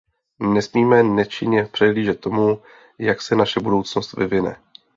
Nesmíme nečinně přihlížet tomu, jak se naše budoucnost vyvine.